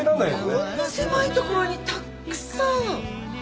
こんな狭い所にたっくさん。